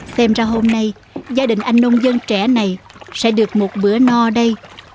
xem ra hôm nay gia đình anh nông dân trẻ này sẽ được một bữa no đây